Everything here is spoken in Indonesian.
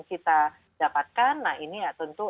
kita dapatkan nah ini ya tentu